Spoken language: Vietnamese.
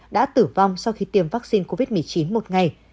đã tử vong sau khi tiêm vaccine covid một mươi chín một ngày